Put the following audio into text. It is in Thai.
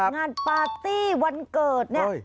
งานปาร์ตี้วันเกิดเนี่ย